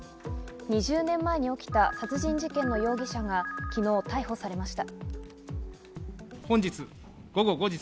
２０年前に起きた殺人事件の容疑者が昨日逮捕されました。